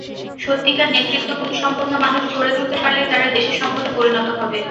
সত্যিকার নেতৃত্বগুণসম্পন্ন মানুষ গড়ে তুলতে পারলে তারা দেশের সম্পদে পরিণত হবে।